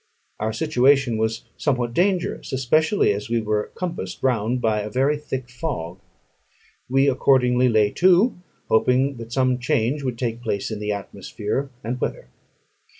Our situation was somewhat dangerous, especially as we were compassed round by a very thick fog. We accordingly lay to, hoping that some change would take place in the atmosphere and weather.